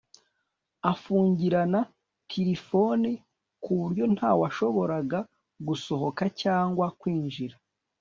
afungirana tirifoni ku buryo nta washoboraga gusohoka cyangwa kwinjira